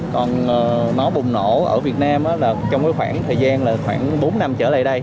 còn nó bùng nổ ở việt nam trong khoảng thời gian khoảng bốn năm trở lại đây